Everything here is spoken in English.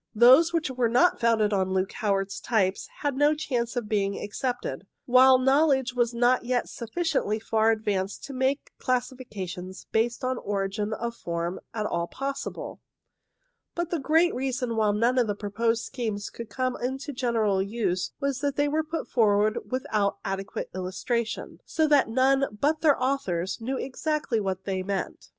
Those which were not founded on Luke Howard's types had no chance of being accepted, while knowledge was not yet sufficiently far ad vanced to make classifications based on origin of form at all possible. But the great reason why none of the proposed schemes could come into general use was that they were put forward without adequate illustration, so that none but their authors knew exactly what they meant.